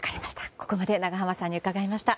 ここまで永濱さんに伺いました。